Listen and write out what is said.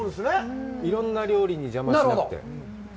いろんな料理を邪魔しなくて。